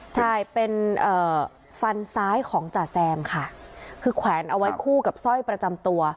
ใช่เป็นฟันซ้ายของจ่าแซมค่ะคือแขวนเอาไว้คู่กับสร้อยประจำตัว